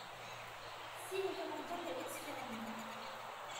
Si les canadiens de Exclaim!